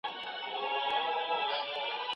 یارانه پر میدان ختمه سوه بې پته